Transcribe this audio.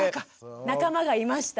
仲間がいました。